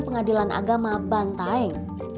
pengadilan agama bantaeng